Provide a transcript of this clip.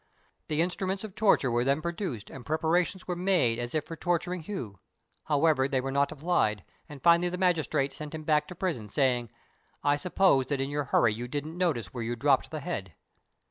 The instruments of torture were then produced, and preparations were made as if for torturing Hu; however, they were not applied, and finally the magistrate sent him back to prison, saying, "I suppose that in your hurry you didn't notice where you dropped the head."